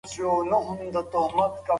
د پاڼې رنګ ورو ورو ژېړ واوښت.